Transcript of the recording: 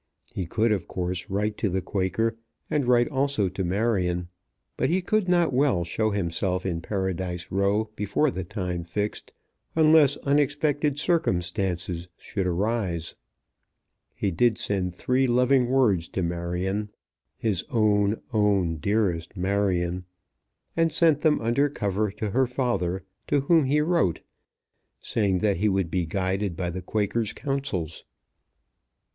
He could of course write to the Quaker, and write also to Marion; but he could not well show himself in Paradise Row before the time fixed, unless unexpected circumstances should arise. He did send three loving words to Marion "his own, own, dearest Marion," and sent them under cover to her father, to whom he wrote, saying that he would be guided by the Quaker's counsels.